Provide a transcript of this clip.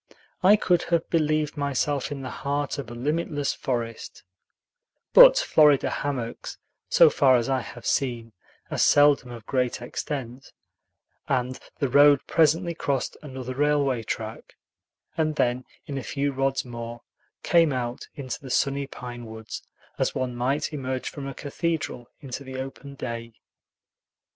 I could have believed myself in the heart of a limitless forest; but Florida hammocks, so far as I have seen, are seldom of great extent, and the road presently crossed another railway track, and then, in a few rods more, came out into the sunny pine woods, as one might emerge from a cathedral into the open day.